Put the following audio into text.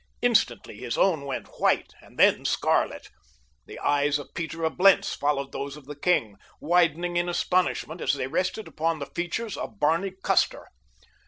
Instantly his own went white and then scarlet. The eyes of Peter of Blentz followed those of the king, widening in astonishment as they rested upon the features of Barney Custer.